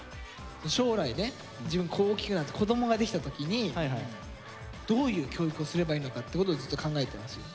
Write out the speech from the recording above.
将来ね自分大きくなって子供ができた時にどういう教育をすればいいのかってことをずっと考えてますよ。